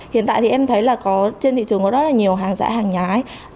hiện tại thì em thấy là trên thị trường có rất là nhiều hàng giã hàng nhái